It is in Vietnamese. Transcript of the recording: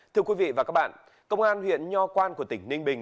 thưa quý vị và các bạn công an huyện nho quan của tỉnh ninh bình